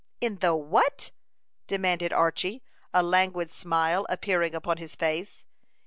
"In the what?" demanded Archy, a languid smile appearing upon his face.